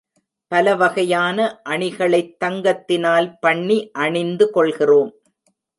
பலவகையான அணிகளைத் தங்கத்தினால் பண்ணி அணிந்து கொள்கிறோம்.